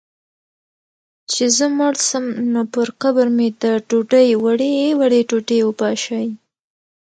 چي زه مړ سم، نو پر قبر مي د ډوډۍ وړې وړې ټوټې وپاشی